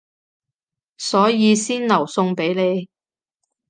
所以先留餸畀你